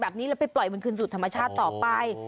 เพราะมันจะไปปล่อยเหมือนคนสูตรธรรมชาติต่อไป